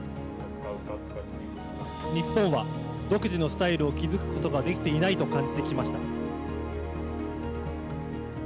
日本は独自のスタイルを築くことができていないと感じてきました。